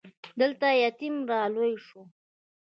دلته يتيم را لوی شو.